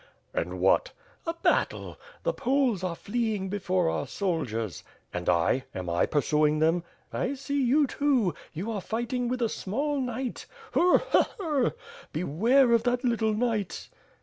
..." "And what?" "A battle. The Poles are fleeing before our soldiers." "And I? Am I pursuing them?" "I see you, too. You are fighting with a small knight. Hur! hur! hur! Beware of that little knight."